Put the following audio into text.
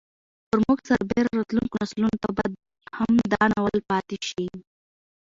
پر موږ سربېره راتلونکو نسلونو ته به هم دا ناول پاتې شي.